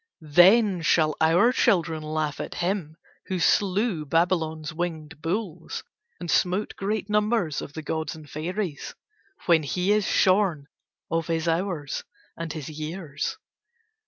Then shall our children laugh at him who slew Babylon's winged bulls, and smote great numbers of the gods and fairies when he is shorn of his hours and his years.